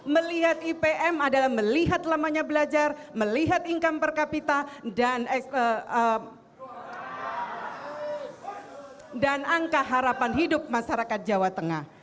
melihat ipm adalah melihat lamanya belajar melihat income per capita dan angka harapan hidup masyarakat jawa tengah